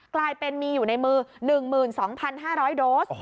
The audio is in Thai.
กลายเป็นมีอยู่ในมือ๑๒๕๐๐โดส